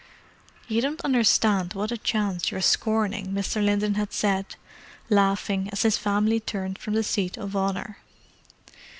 "You don't understand what a chance you're scorning," Mr. Linton had said, laughing, as his family turned from the seat of honour.